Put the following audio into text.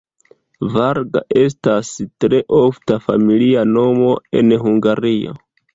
Varga estas tre ofta familia nomo en Hungario.